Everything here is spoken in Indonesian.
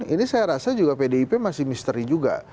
ini saya rasa juga pdip masih misteri juga